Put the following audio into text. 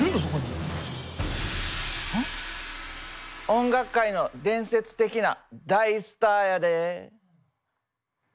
音楽界の伝説的な大スターやで。